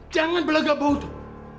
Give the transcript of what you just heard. jangan berlagak lagak dok